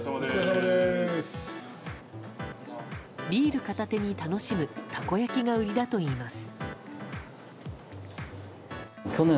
ビール片手に楽しむたこ焼きが売りだといいます。